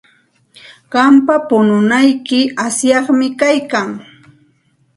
Qampa pununayki asyaqmi kaykan.